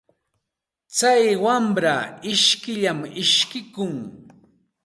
Tsay wamra ishkiyllam ishkikun.